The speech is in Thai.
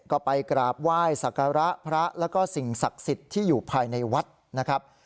ก็ไปกราบไหว้สักการะพระแล้วก็สิ่งศักดิ์สิทธิ์ที่อยู่ภายในวัดนะครับ